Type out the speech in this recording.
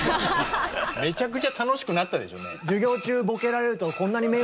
めちゃくちゃ楽しくなったでしょ。